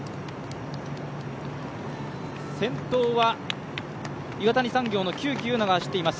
先頭は岩谷産業が久木柚奈が走っています。